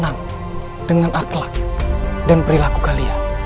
senang dengan akhlak dan perilaku kalian